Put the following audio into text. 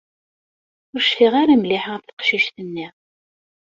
Ur cfiɣ ara mliḥ ɣef teqcict-nni.